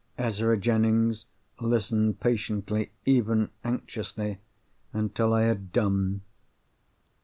Ezra Jennings listened patiently, even anxiously, until I had done.